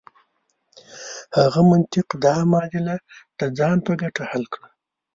هغه منطق دا معادله د ځان په ګټه حل کړه.